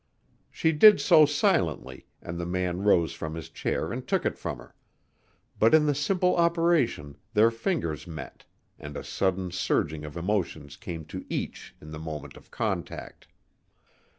She did so silently and the man rose from his chair and took it from her, but in the simple operation their fingers met and a sudden surging of emotions came to each in the moment of contact.